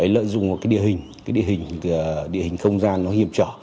lợi dụng một cái địa hình địa hình không gian nó hiểm trở